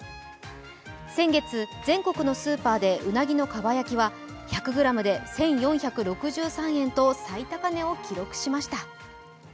先月、全国のスーパーでうなぎのかば焼きは１００ｇで１４６３円と最高値を記録しました。